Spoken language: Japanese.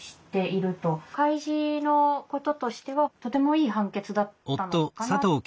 開示のこととしてはとてもいい判決だったのかな。